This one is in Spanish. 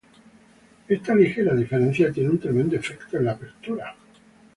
Esta ligera diferencia tiene un tremendo efecto en la apertura.